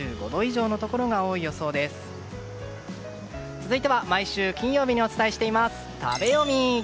続いては毎週金曜日にお伝えしています食べヨミ。